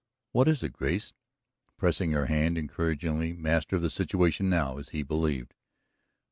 "What is it, Grace?" pressing her hand encouragingly, master of the situation now, as he believed.